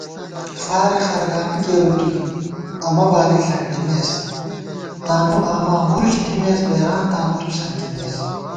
فارےخرگانی کېرُو توئیں امہ بالی ݪَنٹِمېس * تانُوآما مُرُچ تھِمېس بېرانتاں تُوسنکِمېس